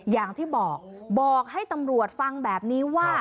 อย่างที่บอกบอกให้ตำรวจฟังแบบนี้ว่า